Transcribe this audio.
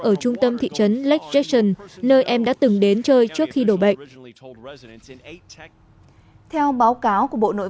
ở trung tâm thị trấn lek jason nơi em đã từng đến chơi trước khi đổ bệnh theo báo cáo của bộ nội